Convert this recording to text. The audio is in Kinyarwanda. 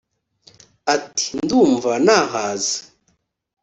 Ati: ndumva nahaze